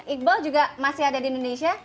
iqbal juga masih ada di indonesia